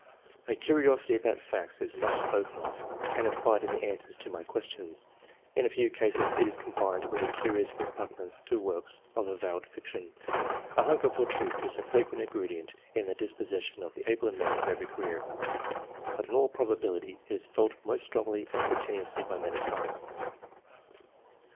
A curiosity about facts is much spoken of and implied in the answers to my questions ; in a few cases it is combined with a curious repug nance to works of avowed fiction. A hunger for truth is a frequent ingredient in the disposi tion of the abler men of every career ; but in all probability it is felt most strongly and continu ously by men of science.